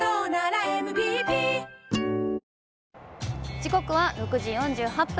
時刻は６時４８分。